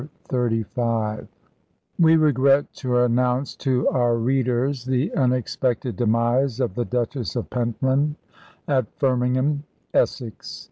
CHAPTER XXXV "We regret to announce to our readers the unexpected demise of the Duchess of Pentland at Firmingham, Essex.